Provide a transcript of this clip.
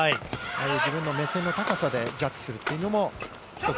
自分の目線の高さでジャッジするというのも、一つ